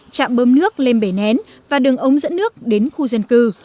chạm bơm nước lên bể nén và đường ống dẫn nước đến khu dân cư